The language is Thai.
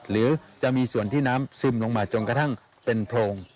หรือจะมีส่วนที่น้ำซึมลงมาจนกระทั่งเป็นโพรง